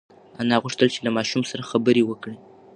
انا غوښتل چې له ماشوم سره خبرې وکړي.